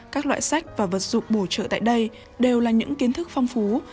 các loại sách và vật dụng bổ trợ tại đây đều là những kiến thức phong phú